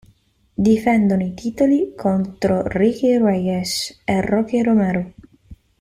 Difendono i titoli contro Ricky Reyes e Rocky Romero.